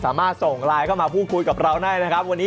สามารถส่งไลน์เข้ามาพูดคุยกับเราได้นะครับ